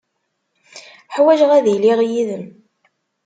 Ḥwajeɣ ad iliɣ yid-m.